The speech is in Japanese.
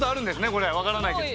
これ分からないけど。